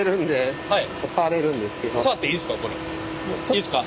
いいですか？